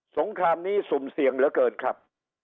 งครามนี้สุ่มเสี่ยงเหลือเกินครับ